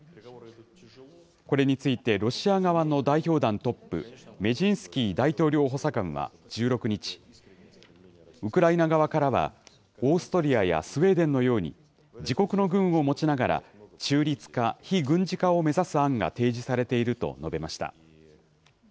これについてロシア側の代表団トップ、メジンスキー大統領補佐官は１６日、ウクライナ側からはオーストリアやスウェーデンのように自国の軍を持ちながら中立化・非軍事化を目指す案が提示されていると述べました。